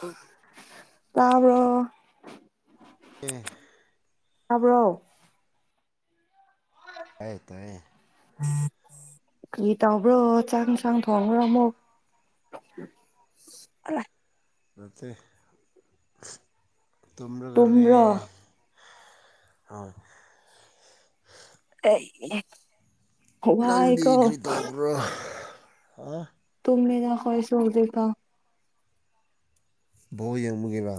ꯍ ꯇꯥꯕ꯭ꯔꯣ ꯑꯦꯦ ꯈꯕ꯭ꯔꯣ ꯑꯥꯏ ꯇꯥꯏ ꯀꯤ ꯇꯧꯕ꯭ꯔꯣ ꯆꯪꯅꯨꯡ ꯁꯪ ꯊꯣꯡꯉ꯭ꯔꯣ ꯑꯃꯨꯛ ꯑꯂ ꯅ ꯇꯨꯝꯝꯕ꯭ꯔꯒ ꯂꯩ ꯇꯨꯝꯕ꯭ꯔꯣ ꯑꯥꯎ ꯑꯩ ꯅꯪꯗꯤ ꯋꯥꯏꯀꯣ ꯀꯔꯤ ꯇꯧꯕ꯭ꯔꯣ ꯍꯥ ꯨꯝꯅꯦꯗ ꯍ꯭ꯋꯥꯁꯗꯦꯀ ꯕꯣ ꯌꯦꯡꯕꯨꯨꯒꯕ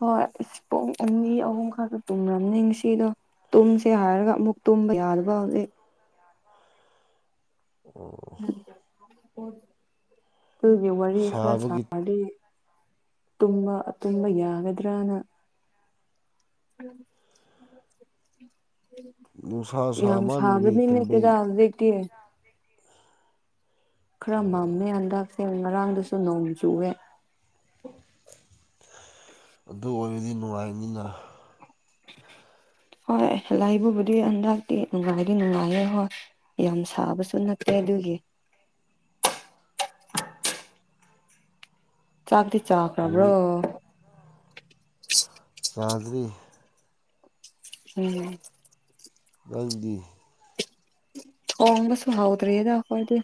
ꯍꯣꯏ ꯑ ꯄꯨꯡ ꯑꯅꯤ ꯑꯍꯨꯝ ꯈꯛꯇ ꯇꯨꯝꯕꯅꯤ ꯉꯁꯤꯗꯣ ꯇꯨꯝꯁꯦ ꯍꯥꯏꯔꯒ ꯑꯃꯨꯛ ꯇꯨꯝꯕ ꯌꯥꯗꯕ ꯍꯧꯖꯤꯛ ꯑꯣ ꯀ ꯋꯥꯔꯤꯔ ꯈꯔ ꯁꯥ ꯁꯥꯕꯒꯤ ꯇꯨꯝꯕ ꯇꯨꯝꯕ ꯌꯥꯒꯗ꯭ꯔꯥꯅ ꯎꯝ ꯅꯨꯡꯁꯥ ꯌꯥꯝ ꯁꯥꯃꯟꯕꯒꯤ ꯁꯥꯕꯅꯤꯅꯦ ꯇꯨꯝꯕ ꯀꯦꯗꯖꯤꯗꯒꯤ ꯈꯔ ꯃꯝꯃꯦ ꯍꯟꯗꯛꯁꯦ ꯉꯥꯡꯗꯁꯨ ꯅꯣꯡꯃ ꯆꯨꯑꯦ ꯑꯗꯨ ꯑꯣꯏꯕꯗꯤ ꯅꯨꯡꯉꯥꯏꯕꯅꯤꯅ [unintelligible] ꯍꯣꯏ ꯂꯥꯏꯕꯨꯕꯨꯗꯤ ꯍꯟꯗꯛꯇꯤ ꯅꯨꯡꯉꯥꯏꯗꯤ ꯅꯨꯡꯉꯥꯏꯌꯦꯦ ꯍꯣꯏ ꯌꯥꯝ ꯁꯥꯕꯁꯨ ꯅꯠꯇꯦ ꯀꯗꯨꯒꯦ ꯆꯥꯛꯇꯗꯤ ꯆꯥꯛ꯭ꯔꯣ ꯍꯧꯖꯤꯛ ꯆꯥꯗꯕꯤ ꯎꯝ ꯪꯗꯤ ꯍꯝꯕꯁꯨ ꯍꯥꯎꯗ꯭ꯔꯔꯤꯗꯀꯗꯤ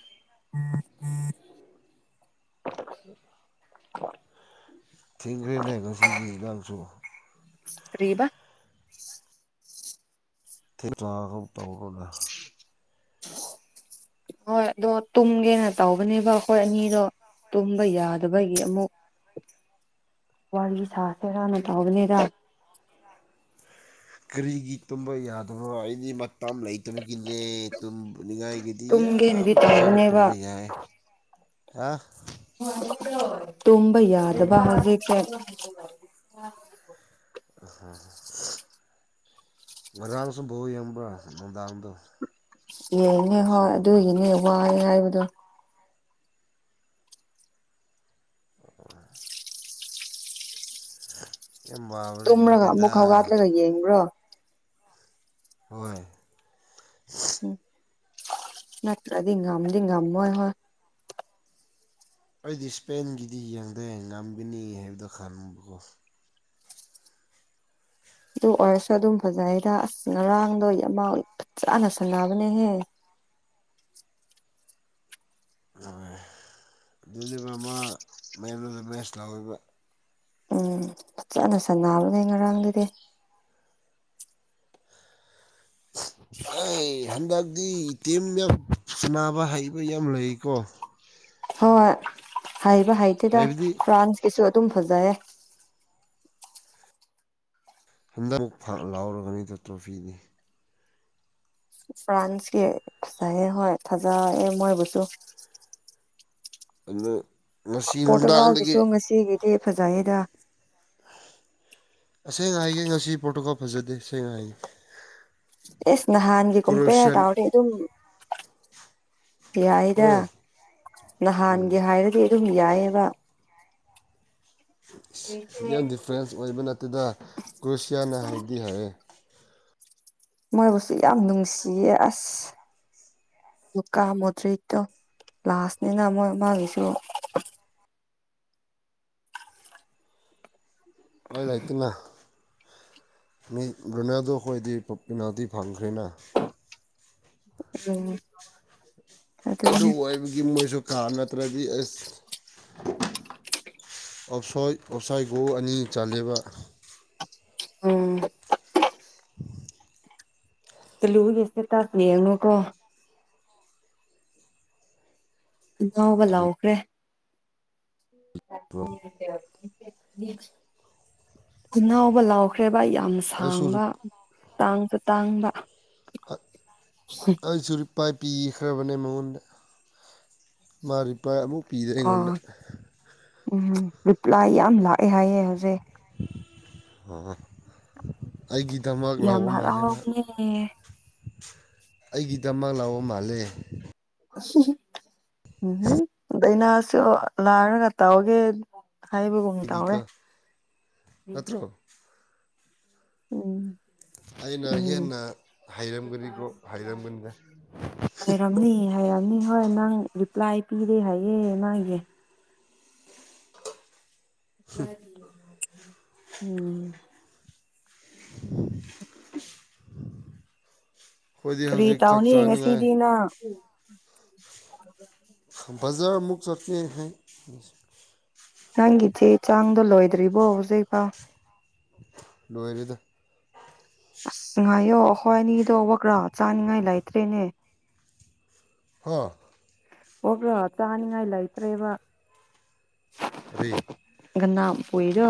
[unintelligible] ꯎꯝ ꯍꯣꯏ ꯊꯦꯡꯈ꯭ꯔꯦꯅꯦ ꯉꯁꯤꯗꯤ ꯏ ꯅꯥꯡꯁꯨ ꯇꯕ ꯊ ꯇꯗ ꯍꯣꯏ ꯑꯗꯣ ꯇꯨꯝꯒꯦꯅ ꯇꯧꯕꯅꯦꯕ ꯑꯩꯈꯣꯏ ꯑꯅꯤꯗꯣ ꯇꯨꯝꯕ ꯌꯥꯗꯕꯒꯤ ꯑꯃꯨꯛ ꯋꯥꯔꯤꯒꯤ ꯁꯥꯥꯁꯦꯔꯅ ꯇꯥꯕꯅꯦꯔ ꯀꯔꯤꯒꯤ ꯇꯨꯝꯕ ꯌꯥꯗꯕꯅꯣ ꯑꯩꯗꯤ ꯃꯇꯝ ꯂꯩꯇꯕꯒꯤꯅꯦ ꯄꯨꯅꯤꯡꯉꯥꯏꯒꯤꯗꯤ ꯌꯥꯝ ꯇꯨꯝꯒꯦꯅꯗꯤ ꯐꯖꯅ ꯇꯧꯕꯅꯦꯕ ꯇꯝꯕ ꯌꯥꯏ ꯍꯥ ꯇꯝꯕ ꯌꯥꯗꯕ ꯍꯧꯒꯦ ꯀꯦ ꯎ ꯎꯝ ꯉꯥꯡꯁꯨꯨꯝꯕꯧꯨ ꯌꯦꯡꯕ ꯅꯨꯅꯨꯡꯗꯥꯡꯗ ꯌꯥꯅꯦ ꯍꯣꯏ ꯑꯗꯨꯒꯤꯅꯦ ꯋꯥꯦ ꯍꯥꯏꯕꯗꯣ ꯌꯥꯝ ꯋꯥꯕꯗꯤ ꯇ꯭ꯔꯒ ꯅꯠꯇꯦꯗ ꯑꯃꯨꯛꯥꯎꯒꯠꯂꯒ ꯌꯦꯡꯕ꯭ꯔꯣ ꯍꯣꯏ ꯎ ꯅꯠꯇꯒꯥ ꯑꯃꯒꯥꯝ ꯍ ꯑꯩꯗꯤ ꯏꯁꯄꯦꯟꯒꯤꯗꯤ ꯌꯦꯡꯊ ꯉꯝꯒꯅꯤ ꯍꯥꯏꯕꯗꯣ ꯈꯟꯕꯀꯣ ꯑꯗꯨ ꯑꯣꯏꯔꯁꯨ ꯑꯗꯨꯝ ꯐꯖꯅꯩꯗ ꯑꯁ ꯉꯔꯥꯡꯗꯣ ꯑꯃ ꯆꯥꯅ ꯁꯥꯟꯅꯕꯅꯦꯍꯦ [inaudible] ꯑꯗꯨꯗꯨꯕ ꯑꯃ ꯃꯌꯥꯝꯗ ꯕꯦꯁ ꯂꯧꯥꯎꯔꯤꯕ ꯎꯝ ꯐꯖꯅ ꯁꯟꯅꯕꯅꯦ ꯉꯔꯥꯡꯗꯨꯗꯤ [inaudible] ꯑꯩ ꯍꯟꯗꯛꯇꯤ ꯏꯇꯦꯝꯅ ꯁꯅꯕ ꯍꯩꯕ ꯌꯥꯝ ꯂꯩꯀꯣ ꯍꯣꯏꯣꯏ ꯍꯥꯏꯕ ꯍꯩꯇꯦꯗ ꯍꯥꯏꯕꯗꯤ ꯐ꯭ꯔꯥꯟꯁꯀꯤꯁꯨ ꯑꯗꯨꯝ ꯐꯖꯩꯌꯦ ꯍꯟꯗꯛꯃꯛ ꯂꯥꯎꯔꯔꯕꯅꯤꯗ ꯇ꯭ꯔꯣꯐꯤꯗꯤ ꯐ꯭ꯔꯥꯥꯟꯁꯀꯤ ꯊꯖꯍꯦ ꯍ ꯊꯖꯥꯏ ꯃꯣꯏ ꯨꯁꯨ ꯍꯜꯂꫭ ꯄꯣꯔꯇꯨꯒꯥꯜꯒꯤꯁꯨ ꯉꯁꯤꯒꯤꯗꯤ ꯐꯖꯩꯗ ꯑꯁꯦꯡꯅ ꯍꯥꯏꯒꯦ ꯉꯁꯤ ꯄ꯭ꯔꯣꯇꯣꯀꯣꯜ ꯐꯖꯗꯦ ꯁꯁꯦꯡꯅ ꯍꯥꯏꯒꯦ ꯑꯦꯁ ꯅꯍꯥꯟꯒꯤꯒꯨꯝꯄꯦ ꯀ꯭ꯔꯣꯁꯤꯌꯥꯟ ꯇꯥꯎꯔ ꯑꯗꯨꯝ ꯌꯥꯏꯗ ꯎꯝ ꯎꯝ ꯅꯍꯥꯟꯒ ꯍꯥꯏꯔꯗꯤ ꯑꯗꯨꯝ ꯌꯥꯏꯑꯕ ꯗꯤꯐ꯭ꯔꯦꯟꯁ ꯑꯣꯏꯕ ꯅꯠꯇꯗ ꯀ꯭ꯔꯨꯁꯤꯌꯥꯅ ꯍꯥꯏꯕꯗꯤ ꯍꯥꯏꯔꯦ ꯃꯣꯏꯕꯨꯁꯨ ꯌꯥꯝ ꯅꯨꯡꯁꯤꯌꯦ ꯑꯁ ꯀꯥ ꯃꯇ꯭ꯔꯤ ꯂꯥꯁꯅꯤꯅ ꯃꯣꯏ ꯃꯥꯕꯤꯁꯨ ꯍꯣꯏ ꯂꯩꯥꯛꯇꯅ ꯃꯤ ꯂꯣꯅꯥꯗꯣ ꯑꯩꯈꯣꯏꯗꯤ ꯄꯄꯤꯅꯥꯗꯤ ꯐꯪꯈ꯭ꯔꯦꯅ ꯎꯝ ꯑꯗꯨꯅꯦ ꯑꯗꯨ ꯑꯣꯏꯕꯒꯤ ꯃꯣꯏꯁꯨ ꯀꯥ ꯅꯠꯇ꯭ꯔꯗꯤ ꯑꯁ ꯞꯁꯣꯏ ꯑꯞꯁꯥꯏ ꯒꯣ ꯑꯅꯤ ꯆꯥꯂꯕ ꯎꯝ [inaudible] ꯇꯂꯨ ꯌꯦꯁꯦ ꯇꯅꯦ ꯌꯦꯡꯅꯨꯀꯣ ꯑꯅꯥꯕ ꯀꯔꯤ ꯂꯥꯎꯈ꯭ꯔꯦ ꯏꯅꯥꯎ ꯂ ꯑꯣꯈꯔꯦ ꯚꯩ ꯌꯥꯝ ꯑꯩꯁꯨ ꯁꯥꯡꯕ ꯇꯥꯡꯁꯨ ꯇꯥꯡꯕ ꯑꯩꯁꯨꯔꯤ ꯄꯥꯏ ꯄꯤꯈ꯭ꯔꯕꯅꯦ ꯃꯉꯣꯟꯗ ꯃꯥ ꯔꯤ ꯄꯥꯏ ꯑꯃꯨꯛ ꯄꯤꯗꯂꯦꯝꯒꯅ ꯑꯣ ꯎꯝ ꯔꯤꯄ꯭ꯂꯥꯏ ꯌꯥꯝ ꯂꯥꯛꯑꯦ ꯍꯥꯏꯌꯦꯦ ꯍꯧꯖꯤꯛ ꯑꯣ ꯑꯩꯒꯤꯗꯃꯛ ꯌꯥꯝ ꯂꯥꯛꯧꯕ ꯃꯥꯜꯂꯦ ꯃꯥ ꯍꯔꯥꯎꯕꯅꯦ ꯑꯩꯒꯤꯗꯃꯛ ꯂꯥꯎꯕ ꯃꯥꯜꯂꯦ ꯎꯝ ꯗꯗꯥꯩꯅꯥꯁꯨ ꯂꯥꯏꯔꯒ ꯇꯥꯎꯒꯦ ꯍꯥꯏꯕ ꯀ ꯇꯋꯦ ꯑꯩꯒꯤꯀꯣ ꯅꯠꯇ꯭ꯔꯣ ꯎꯝ ꯑꯩꯅ ꯎꯝ ꯍꯦꯟꯅ ꯍꯩꯔꯝꯒꯅꯤꯀꯣ ꯍꯩꯔꯝꯒꯅꯤꯗ ꯍꯥꯏꯔꯝꯅꯤ ꯍꯥꯏꯔꯝꯅꯤ ꯍꯣꯏ ꯅꯪ ꯔꯤꯄ꯭ꯂꯥꯏ ꯄꯤꯔꯦ ꯍꯥꯏꯌꯦꯦ ꯃꯥꯒꯤ ꯎꯝ ꯎꯁ ꯑꯩꯈꯣꯏꯗꯤ ꯍꯧꯖꯤꯛ ꯆꯥꯛ ꯇꯔꯤꯇꯥꯎꯅꯤ ꯆꯥꯅꯤꯡꯉꯥꯏ ꯉꯁꯤꯗꯤꯅ ꯕꯖꯔ ꯃꯨꯛ ꯆꯠ ꯍꯥꯏꯦ ꯅꯪꯆꯦ ꯆꯥꯡꯗꯣ ꯂꯣꯏꯗ꯭ꯔꯤꯕꯣ ꯍꯧꯖꯤꯛ ꯐꯥꯎ ꯂꯣꯏꯔꯤꯗ ꯑꯁ ꯉ ꯉꯥꯏꯌꯣ ꯑꯩꯈꯣꯏ ꯑꯅꯤꯗꯣ ꯀ꯭ꯔꯥ ꯆꯥꯅꯤꯡꯉꯥꯏ ꯂꯩꯇ꯭ꯔꯦꯅꯦ ꯍꯥ ꯍꯕ ꯆꯥꯅꯤꯉ ꯏꯂ ꯏꯇ꯭ꯔꯦꯕ ꯀꯔꯤ ꯒꯅꯥ ꯄꯨꯏꯔꯣ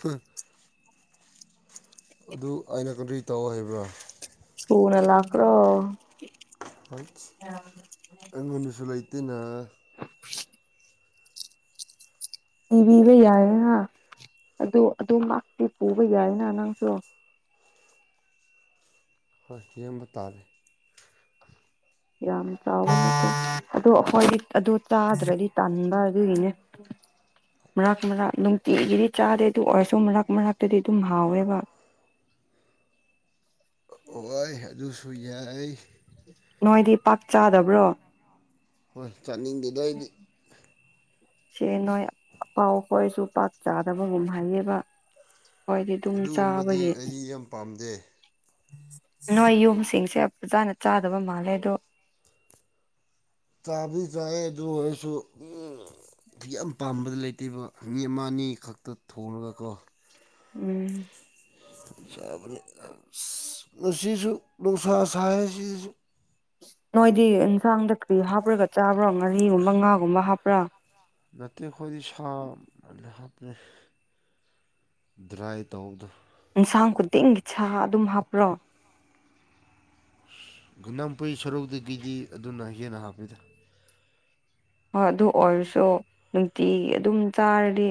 ꯍꯨꯛ ꯑꯗꯨ ꯑꯩꯅ ꯀꯔꯤ ꯇꯧ ꯍꯥꯏꯕ꯭ꯔꯥ ꯄꯣꯅ ꯂꯥꯛꯀ꯭ꯔꫭ [unintelligible] ꯑꯩꯉꫭꯟꯗꯁꯨ ꯂꯩꯇꯦꯅꯥ [inaudible] ꯏꯕꯤꯕ ꯌꯥꯌꯦ ꯍꯥ ꯑꯗꯨ ꯑꯗꯨ ꯃꯥꯛꯇꯤ ꯄꯨꯕ ꯌꯥꯏꯅ ꯅꯪꯁꯨ ꯍꯣꯏ ꯌꯦꯡꯕ ꯇꯥꯔꯦ ꯌꯥꯝ ꯆꯥꯎꯋꯦ ꯑꯗꯣ ꯑꯩꯈꯣꯏꯗꯤ ꯑꯗꯨ ꯇꯥꯗ꯭ꯔꯗꯤ ꯇꯥꯟꯕ ꯑꯗꯨꯒꯤꯅꯦ ꯃꯔꯥꯛ ꯃꯔꯥꯛ ꯅꯨꯡꯇꯤꯒꯤꯗꯤ ꯆꯥꯗꯦ ꯑꯗꯨ ꯑꯣꯏꯔꯁꯨ ꯃꯔꯛ ꯃꯔꯛꯇꯗꯤ ꯑꯗꯨꯝ ꯍꯥꯎꯋꯦꯕ [inaudible] ꯑꫭꯏ ꯑꯗꯨꯁꯨ ꯌꯥꯏ ꯅꯣꯏꯗꯤ ꯄꯥꯛ ꯆꯥꯗꯕ꯭ꯔꯣ ꯍꯣꯏ ꯆꯠꯅꯤꯡꯗꯦꯗ ꯑꯩꯗꯤ ꯁꯦ ꯅꯣꯏ ꯑꯄꯥꯎ ꯈꯣꯏꯁꯨ ꯄꯥꯛ ꯆꯥꯗꯕꯒꯨꯝ ꯍꯥꯏꯌꯦꯕ ꯍꫭꯏꯗꯤ ꯗꯨꯝ ꯑꯗꯨꯒꯨꯝꯕꯗꯤ ꯆꯥꯕꯒꯤ ꯑꯩꯗꯤ ꯌꯥꯝ ꯄꯥꯝꯗꯦ ꯅꯣꯏ ꯌꯨꯝꯁꯤꯡꯁꯦ ꯐꯖꯥꯅ ꯆꯥꯗꯕ ꯃꯥꯜꯂꯦ ꯗꯣ ꯆꯥꯕꯗꯤ ꯆꯥꯌꯦ ꯗꯨ ꯑꫭꯏꯔꯁꯨ [unintelligible] ꯌꯥꯝ ꯄꯥꯝꯕꯗꯤ ꯂꯩꯇꯦꯕ ꯃꯤ ꯑꯃ ꯑꯅꯤ ꯈꯛꯇ ꯊꯣꯡꯉꯒꯀꯣ ꯎꯝ [unintelligible] ꯃꯁꯤꯁꯤꯁꯨ ꯅꯨꯡꯁꯥ ꯁꯥꯏꯌꯦ ꯁꯤꯁꯨ ꯅꯣꯏꯗꯤ ꯏꯟꯁꯥꯡꯗ ꯀ꯭ꯔꯤ ꯍꯥꯞꯄ꯭ꯔꯒ ꯆꯥꯕ꯭ꯔꯣ ꯉꯥꯔꯤꯒꯨꯝꯕ ꯉꯥꯒꯨꯝꯕ ꯍꯥꯞꯄ꯭ꯔꯥ ꯅꯠꯇꯦ ꯈꯣꯏꯗꯤ ꯁꯥ ꯑꫭꯏꯅ ꯍꯥꯞꯂꯦ ꯗ꯭ꯔꯥꯏ ꯇꯧꯕꯗꯨ ꯏꯟꯁꯥꯡ ꯈꯨꯗꯤꯡꯒꯤ ꯁꯥ ꯑꯗꯨꯝ ꯍꯥꯞꯄ꯭ꯔꯣ ꯒꯅꯥꯝꯄꯨꯏ ꯁꯔꯧꯗꯒꯤꯗꯤ ꯑꯗꯨꯅ ꯍꯦꯟꯅ ꯍꯥꯞꯄꯤꯗ ꯍꯣꯏ ꯑꯗꯨ ꯑꯣꯏꯔꯁꯨ ꯅꯨꯡꯇꯤꯒꯤ ꯑꯗꯨꯝ ꯆꯥꯔꯗꯤ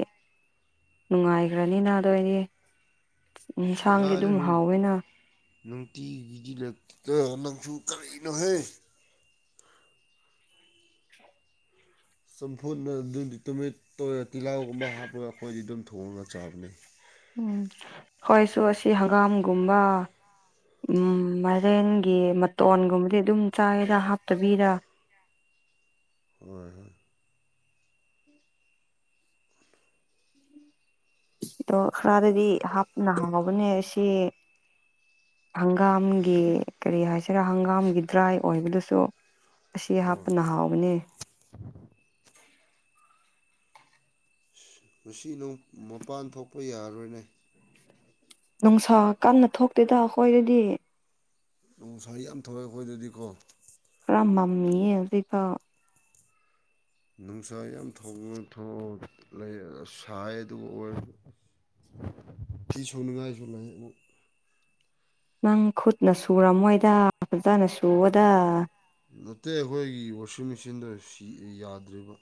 ꯅꯨꯡꯉꯥꯏꯈ꯭ꯔꯅꯤꯅ ꯑꯗꫭꯏꯗꯤ ꯏꯟꯁꯥꯡꯗꯤ ꯗꯨꯝ ꯀꯗꯥꯏꯗꯩꯅꯣ ꯍꯥꯎꯋꯦꯅ ꯅꯨꯡꯇꯤꯒꯤꯗꯤ ꯂꯦꯛꯇꯦꯍ ꯅꯪꯁꯨ ꯀꯔꯤꯅꯣꯍꯦ ꯆꯝꯐꯨꯠꯅ ꯑꯗꯨꯗꯤ ꯇꯨꯃꯤꯠ ꯇꫭ ꯇꯤꯜꯂꯥꯎꯒꯨꯝꯕ ꯍꯥꯞꯄꯒ ꯑꯩꯈꯣꯏꯗꯤ ꯗꯨꯝ ꯊꯣꯡꯉꯒ ꯆꯥꯕꯅꯦ ꯎꯝ ꯍꯣꯏꯁꯨ ꯑꯁꯤ ꯍꯪꯒꯥꯝꯒꯨꯝꯕ ꯎꯝ ꯃꯔꯦꯟꯒꯤ ꯃꯇꯣꯟꯒꯨꯝꯕꯗꯤ ꯑꯗꯨꯝ ꯆꯥꯏꯌꯦꯗ ꯍꯥꯞꯇꯕꯤꯗ ꯍꯣꯏ ꯍꯣꯏ ꯗꯣ ꯈꯔꯗꯗꯤ ꯍꯥꯞꯄꯅ ꯍꯥꯎꯕꯅꯦ ꯑꯁꯤ ꯍꯪꯒꯥꯝꯒꯤ ꯀꯔꯤ ꯍꯥꯏꯁꯤꯔꯥ ꯍꯪꯒꯥꯝꯒꯤ ꯗ꯭ꯔꯥꯏ ꯑꯣꯏꯕꯗꯨꯁꯨ ꯑꯁꯤ ꯍꯥꯞꯄꯅ ꯍꯥꯎꯕꯅꯦ ꯉꯁꯤ ꯅꯪ ꯃꯄꯥꯟ ꯊꯣꯛꯄ ꯌꯥꯔꯔꯣꯏꯅꯦ ꯅꯨꯡꯁꯥ ꯀꯟꯅ ꯊꯣꯛꯇꯦꯗ ꯑꯈꯣꯏꯗꯗꯤ ꯅꯨꯡꯁꯥ ꯌꯥꯝ ꯊꯣꯛꯑꯦ ꯑꯩꯈꯣꯏꯗꯗꯤꯀꯣ ꯈꯔꯥ ꯃꯝꯃꯤꯌꯦ ꯍꯨꯖꯤꯛꯐꯥꯎ ꯅꯨꯡꯁꯥ ꯌꯥꯝ ꯊꯨꯅ ꯊꫭꯛꯎꯨ ꯑꯁ ꯁꯥꯏ ꯑꯗꯨ ꯑꯣꯏꯔꯁꯨ ꯑꯁ [inaudible] ꯐꯤꯁꯨꯅꯤꯡꯉꯥꯏꯁꯨ ꯂꯩ ꯑꯃꯨꯛ ꯅꯪ ꯈꯨꯠꯅ ꯁꯨꯔꯝꯃꯣꯏꯗ ꯐꯖꯥꯅ ꯁꯨꯑꯣꯗꯥ ꯅꯠꯇꯦ ꯑꯩꯈꯣꯏꯒꯤ ꯋꯥꯁꯤꯡ ꯃꯦꯁꯤꯟꯗꫭ ꯁꯤ ꯌꯥꯗ꯭ꯔꯦꯕ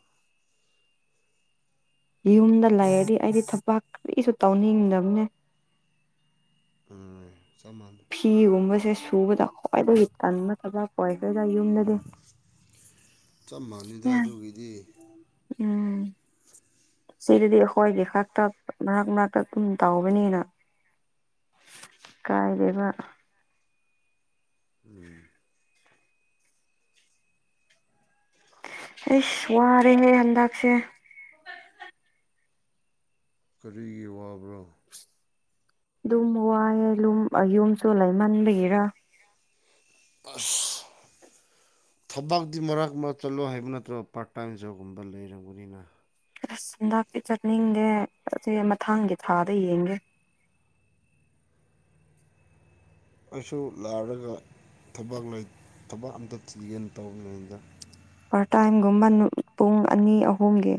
ꯌꯨꯝꯗ ꯂꯩꯔꯗꯤ ꯑꯩꯗꯤ ꯊꯕꯥꯛ ꯀꯔꯤꯁꯨ ꯇꯧꯅꯤꯡꯗꯝꯅꯦ ꯆꯞ ꯃꯥꯟ ꯐꯤꯒꯨꯝꯕꯁꯦ ꯁꯨꯕꯗ ꯈ꯭ꯋꯥꯏꯗꯒꯤ ꯇꯟꯕ ꯊꯕꯥꯛ ꯑꯣꯏ ꯆꯞ ꯃꯥꯅꯩꯗ ꯑꯗꯨꯒꯤꯗꯤ ꯎꯝ ꯁꯤꯗꯗꯤ ꯑꯩꯈꯣꯏꯒꯤ ꯈꯛꯇ ꯃꯔꯛ ꯃꯔꯛꯇ ꯑꯗꯨꯨꯝ ꯇꯥꯎꯕꯅꯤꯅ ꯀꯥꯏꯗꯦꯗ ꯎꯝ ꯑꯩꯁ ꯋꯥꯔꯦ ꯍꯟꯗꯥꯛꯁꯦ ꯀꯔꯤꯒꯤ ꯋꯥꯕ꯭ꯔꯣ ꯑꯗꯨꯝ ꯋꯥꯏꯑꯦ ꯑꯗꯨꯨꯝ ꯌꯨꯝꯝ ꯆꯣꯂ ꯃꯟꯕꯒꯤꯔꯥ ꯑꯁ ꯊꯕꯛꯇꯤ ꯃꯔꯛ ꯃꯔꯛ ꯆꯠꯂꯣ ꯍꯥꯏꯕ ꯅꯠꯇ꯭ꯔꯣ ꯄꯥꯔꯠ ꯇꯥꯏꯝ ꯖꯣꯒꯨꯝꯕ ꯂꯩꯔꯕꯅꯤꯅ ꯑꯁ ꯍꯟꯗꯥꯛꯇꯤ ꯆꯠꯅꯤꯡꯗꯦ ꯑꯗꯨꯒꯤ ꯃꯊꯪꯒꯤ ꯊꯥꯗꯩ ꯌꯦꯡꯒꯦ ꯑꯩꯁꯨ ꯂꯥꯛꯔꯒ ꯊꯕꯛ ꯊꯕꯛ ꯑꯝꯇ ꯊꯤꯒꯦꯅ ꯇꯧꯕꯅꯦꯗ ꯄꯥꯠ ꯇꯥꯏꯝꯒꯨꯝꯕ ꯄꯨꯡ ꯑꯅꯤ ꯑꯍꯨꯝꯒꯤ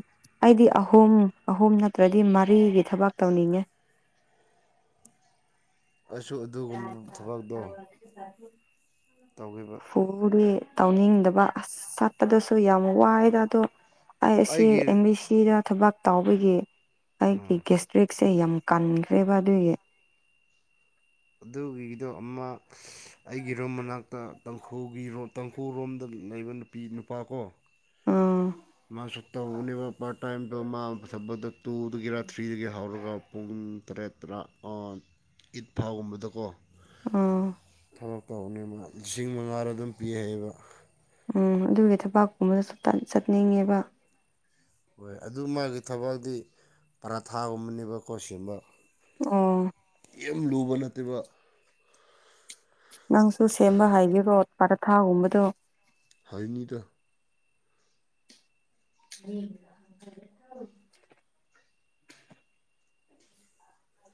ꯑꯩꯗꯤ ꯑꯍꯨꯝ ꯑꯍꯨꯝ ꯅꯠꯇ꯭ꯔꯗꯤ ꯃꯔꯤꯒꯤ ꯊꯕꯛ ꯇꯧꯅꯤꯡꯉꯦ ꯑꯩꯁꯨ ꯑꯗꯨꯒꯨꯝꯕ ꯊꯕꯛꯇꯣ ꯇꯧꯒꯦꯕ ꯐꯔꯦ [inaudible] ꯇꯧꯅꯤꯡꯗꯕ ꯑꯁ ꯆꯠꯄꯗꯁꯨ ꯌꯥꯝ ꯋꯥꯏꯗ ꯑꯗꯣ ꯑꯩ ꯑꯁꯤ ꯑꯩꯒꯤ ꯑꯦꯝ ꯕꯤ ꯁꯤꯗ ꯊꯕꯥꯛ ꯇꯥꯎꯕꯒꯤ ꯑꯩꯒꯤ ꯑꯥ ꯒꯦꯁꯇ꯭ꯔꯤꯛꯁꯦ ꯌꯥꯝ ꯀꯟꯈ꯭ꯔꯦꯕ ꯑꯗꯨꯒꯤ ꯑꯗꯨꯒꯤꯗꯣ ꯑꯃ ꯑꯩꯒꯤ ꯔꯣꯝ ꯃꯅꯥꯛꯇ ꯇꯪꯈꯨꯜꯒꯤ ꯇꯪꯈꯨꯜ ꯔꯣꯝꯗ ꯅꯩꯕ ꯅꯨꯄꯤ ꯅꯨꯄꯥ ꯀꯣ ꯎꯝ ꯃꯥꯁꯨ ꯇꯧꯕꯅꯦꯕ ꯄꯥꯔꯠ ꯇꯥꯏꯝꯗꯣ ꯃꯥꯅ ꯆꯠꯄꯗꯣ ꯇꯨꯗꯒꯦꯔꯥ ꯊ꯭ꯔꯤꯗꯒꯦ ꯍꯥꯎꯔꯒ ꯄꯨꯡ ꯇꯔꯦꯠ ꯇꯔꯥ ꯑꯣꯟ ꯏꯠ ꯐꯥꯒꯨꯝꯕꯗꯀꯣ ꯎꯝ ꯊꯕꯛ ꯇꯧꯕꯅꯦ ꯃꯥ ꯂꯤꯁꯤꯡ ꯃꯉꯥꯔ ꯑꯗꯨꯝ ꯄꯤ ꯍꯥꯏꯌꯦꯕ ꯎꯝ ꯑꯗꯨꯒꯤ ꯊꯕꯥꯛꯀꯨꯝꯕꯗꯁꯨ ꯁꯠ ꯆꯠꯅꯤꯡꯉꯦꯕ ꯍꯣꯏ ꯑꯗꯨ ꯃꯥꯒꯤ ꯊꯕꯛꯗꯤ ꯄꯔꯥꯊꯥꯒꯨꯝꯕꯅꯦꯕꯀꯣ ꯁꯤꯡꯕ ꯑꯝ ꯌꯥꯝ ꯂꯨꯕ ꯅꯠꯇꯦꯕ ꯅꯪꯁꯨ ꯁꯦꯝꯕ ꯍꯥꯏꯒꯔꯣ ꯄꯔꯊꯥꯒꯨꯝꯕꯗꯣ ꯍꯩꯅꯤꯗ ꯎꯝ ꯑ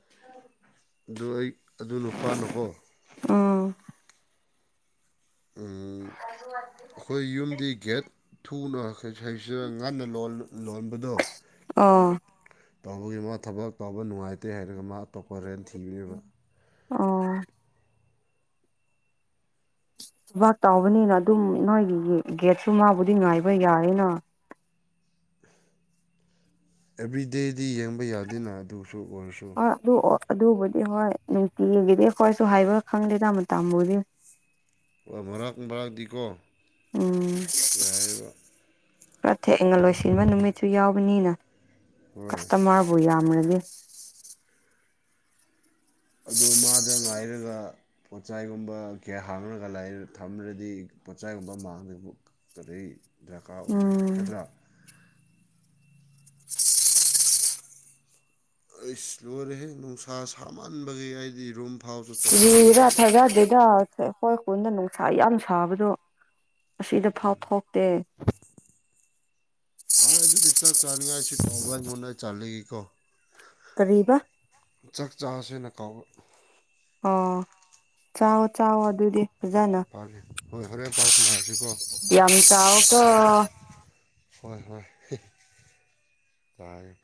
[inaudible] ꯑꯗꯨ ꯑꯩ ꯑꯗꯨ ꯅꯨꯄꯥꯅꯀꯣ ꯑꯥ ꯑꯩꯈꯣꯏ ꯌꯨꯝꯗꯤ ꯒꯦꯠ ꯊꯨꯅꯩꯁꯤꯗ ꯉꯟꯅ ꯂꯣ ꯂꯣꯟꯕꯗꯣ ꯇꯧꯕꯒꯤ ꯃꯥ ꯊꯕꯛ ꯇꯧꯕ ꯅꯨꯡꯉꯥꯏꯇꯦ ꯍꯥꯏꯔꯒ ꯃꯥ ꯑꯇꯣꯞꯄ ꯔꯦꯟ ꯊꯤꯕꯅꯦꯕ ꯑꯣ ꯕꯥꯛ ꯇꯥꯎꯕꯅꯤꯅ ꯑꯗꯨꯝ ꯅꯣꯏꯒꯤ ꯒꯦꯠꯁꯨ ꯃꯥꯕꯨꯗꯤ ꯉꯥꯏꯕ ꯌꯥꯔꯦꯅ [inaudible] ꯑꯦꯕ꯭ꯔꯤꯗꯦꯗꯤ ꯌꯦꯡꯕ ꯌꯥꯗꯦꯅ ꯑꯗꯨꯁꯨ ꯑꯣꯏꯔꯁꯨ ꯍꯣꯏ ꯑꯗꯨ ꯑꯗꯨꯕꯨꯗꯤ ꯍꯣꯏ ꯅꯨꯡꯇꯤꯒꯤꯗꯤ ꯑꯩꯈꯣꯏꯁꯨ ꯍꯥꯏꯕ ꯈꯪꯗꯦ ꯇꯥꯃꯣ ꯇꯥꯃꯕꯨꯗꯤ ꯑꯣ ꯃꯔꯥꯛ ꯃꯔꯥꯛꯇꯤꯀꯣ ꯎꯝ ꯄꯨꯔ ꯊꯦꯡꯅ ꯂꯣꯏꯁꯤꯟꯕ ꯅꯨꯃꯤꯠꯁꯨ ꯌꯥꯎꯕꯅꯤꯅ ꯍꯣꯏ ꯀꯁꯇꯃꯥꯔꯕꯨ ꯌꯥꯝꯔꯗꯤ ꯑꯗꯨ ꯃꯥꯗ ꯉꯥꯏꯔꯒ ꯄꯣꯠꯆꯥꯏꯒꯨꯝꯕ ꯀꯌꯥ ꯍꯥꯡꯔꯒ ꯊꯝ꯭ꯔꯗꯤ ꯄꯣꯠꯆꯥꯏꯒꯨꯝꯕ ꯃꯥꯡꯗ ꯀꯗꯏ ꯗꯔꯀꯥꯔ ꯑꯣꯏ ꯎꯝ ꯅꯠꯇ꯭ꯔꯥ [inaudible] ꯑꯩꯁ ꯂꯣꯏꯔꯦꯍꯦ ꯅꯨꯡꯁꯥ ꯁꯥꯃꯍꯟꯕꯒꯤ ꯍꯥꯏꯗꯤ ꯔꯨꯝ ꯐꯥꯎꯁꯨ ꯆꯠꯅꯤꯡꯗꯦ ꯌꯔꯥ ꯍꯧꯖꯤꯛ ꯊꯖꯗꯦꯗꯦ ꯑꯩꯈꯣꯏ ꯈꯨꯟꯗ ꯅꯨꯡꯁꯥ ꯌꯥꯝ ꯁꯥꯕꯗꯣ ꯑꯁꯤꯗ ꯐꯥꯎ ꯊꯣꯛꯇꯦ ꯍꯥꯗꯨ ꯆ ꯆꯥꯉ ꯁꯤ ꯃꯟꯅ ꯆꯥꯂꯤꯒ ꯀꯣ ꯀꯔꯤꯕ ꯆꯥꯛ ꯆꯥꯁꯦꯅ ꯀꯥꯎꯕ ꯑ ꯆꯥꯎꯑꯣ ꯆꯥꯎꯥꯛꯑꯣꯣ ꯑꯗꯨꯗꯤ ꯐꯖꯅ ꯐꯔꯦ ꯍꯣꯏ ꯍꯣꯔꯦꯟ ꯄꯥꯎ ꯐꯨꯝꯅꯔꯁꯤꯀꯣ ꯌꯥꯝ ꯆ ꯀ ꯍꯣꯏ ꯍꯣꯏ ꯇꯥꯏꯔ